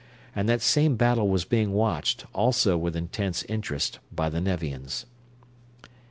And that same battle was being watched, also with intense interest, by the Nevians.